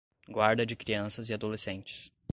guarda de crianças e adolescentes